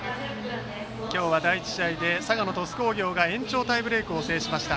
今日は第１試合で佐賀の鳥栖工業が延長タイブレークを制しました。